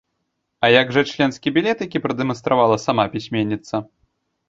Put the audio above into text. А як жа членскі білет, які прадэманстравала сама пісьменніца?